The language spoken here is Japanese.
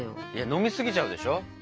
飲み過ぎちゃうでしょ。